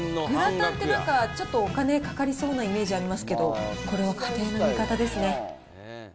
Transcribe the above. グラタンって、ちょっとお金かかりそうなイメージありますけど、これは家庭の味方ですね。